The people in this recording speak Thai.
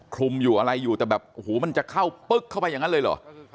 คลุมอยู่อะไรอยู่แต่แบบโอ้โหมันจะเข้าปึ๊กเข้าไปอย่างนั้นเลยเหรอ